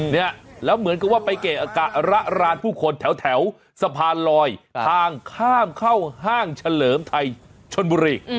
เนี่ยแล้วเหมือนกับว่าไปเกะกะระรานผู้คนแถวสะพานลอยทางข้ามเข้าห้างเฉลิมไทยชนบุรี